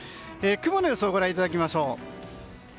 雲の予想をご覧いただきましょう。